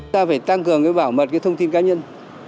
ta phải tăng cường bảo mật thông tin cá nhân